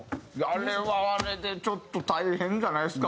あれはあれでちょっと大変じゃないですか？